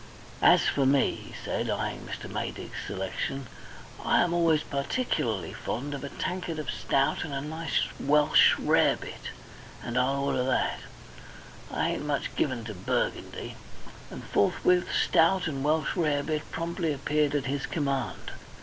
"As for me," he said, eyeing Mr. Maydig's selection, "I am always particularly fond of a tankard of stout and a nice Welsh rarebit, and I'll order that. I ain't much given to Burgundy," and forthwith stout and Welsh rarebit promptly appeared at his command.